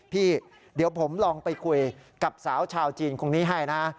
พี่เดี๋ยวผมลองไปคุยกับสาวชาวจีนคนนี้ให้นะ